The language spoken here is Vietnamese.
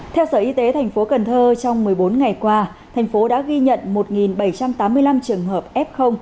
theo sở y tế tp cn trong một mươi bốn ngày qua thành phố đã ghi nhận một bảy trăm tám mươi năm trường hợp f